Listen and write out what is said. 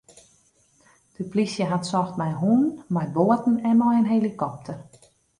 De plysje hat socht mei hûnen, mei boaten en mei in helikopter.